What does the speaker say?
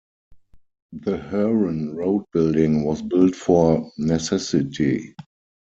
The Huron Road Building was built for necessity.